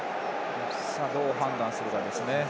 どう判断するかですね。